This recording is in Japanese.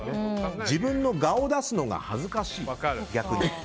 自分の我を出すのが恥ずかしい逆に。